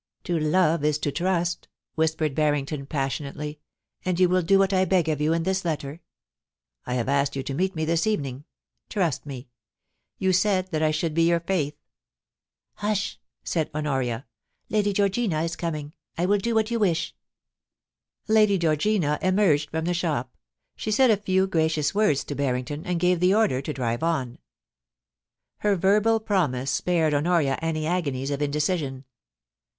To love is to trust,' whispered Barrington, passionately ;' and you will do what I beg of you in this letter ? I have asked you to meet me this evening — trust me. You said that I should be your faith.* * Hush !* said Honoria. * Lady Georgina is coming ; I will do what you wish.* 264 POLICY AND PASSION, Lady Georgina emerged from the shop. She said a few gracious words to Barrington, and gave the order to drive on. Her verbal promise spared Honoria any agonies of in decision.